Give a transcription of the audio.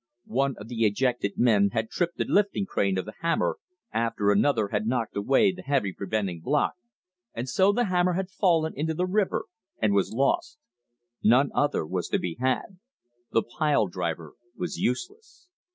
One of the ejected men had tripped the lifting chain of the hammer after another had knocked away the heavy preventing block, and so the hammer had fallen into the river and was lost. None other was to be had. The pile driver was useless.